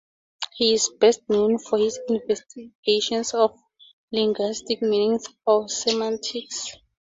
He is best known for his investigations of linguistic meanings, or semantics.